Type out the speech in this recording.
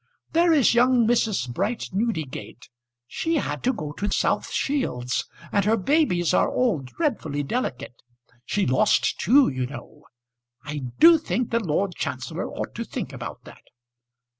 There is young Mrs. Bright Newdegate, she had to go to South Shields, and her babies are all dreadfully delicate. She lost two, you know. I do think the Lord Chancellor ought to think about that.